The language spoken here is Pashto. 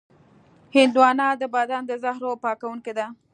هندوانه د بدن د زهرو پاکوونکې ده.